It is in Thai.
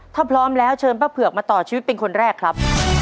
ถ้าพร้อมแล้วเชิญป้าเผือกมาต่อชีวิตเป็นคนแรกครับ